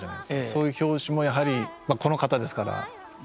そういう拍子もやはりこの方ですから。